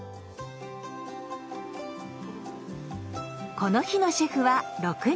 この日のシェフは６人。